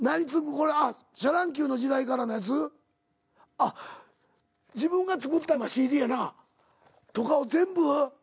あっ自分が作ったＣＤやな。とかを全部？